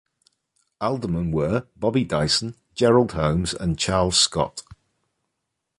Aldermen were: Bobby Dyson, Gerald Holmes, and Charles Scott.